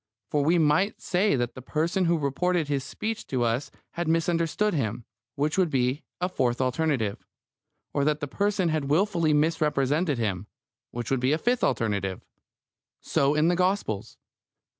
For we might say that the person who reported his speech to us had misunderstood him, which would be a "fourth alternative"; or that the person had wilfully misrepresented him, which would be a fifth alternative. So in the Gospels.